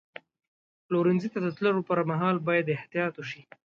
پلورنځي ته د تللو پر مهال باید احتیاط وشي.